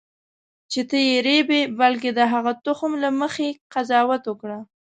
چې ته یې رېبې بلکې د هغه تخم له مخې قضاوت وکړه.